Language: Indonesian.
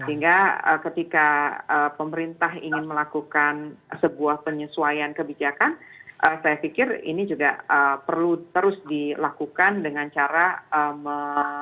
sehingga ketika pemerintah ingin melakukan sebuah penyesuaian kebijakan saya pikir ini juga perlu terus dilakukan dengan cara melakukan